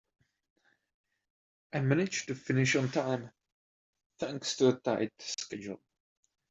I managed to finish on time thanks to a tight schedule.